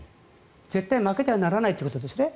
絶対負けてはならないということですね。